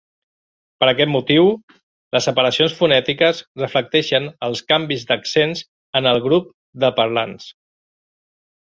Per aquest motiu, les separacions fonètiques reflecteixen els canvis d'accents en el grup de parlants.